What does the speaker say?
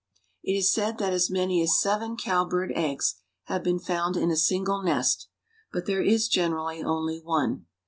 It is said that as many as seven cowbird eggs have been found in a single nest, but there is generally only one.